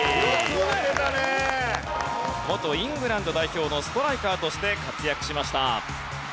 元イングランド代表のストライカーとして活躍しました。